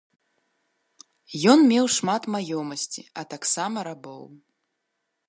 Ён меў шмат маёмасці, а таксама рабоў.